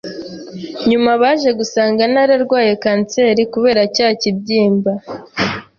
Nyuma baje gusanga nararwaye cancer kubera cya kibyimba